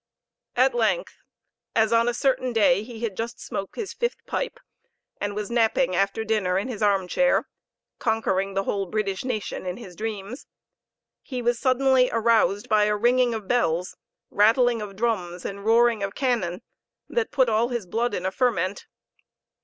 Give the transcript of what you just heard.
At length, as on a certain day he had just smoke his fifth pipe, and was napping after dinner in his arm chair, conquering the whole British nation in his dreams, he was suddenly aroused by a ringing of bells, rattling of drums, and roaring of cannon, that put all his blood in a ferment.